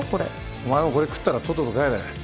お前もこれ食ったらとっとと帰れ。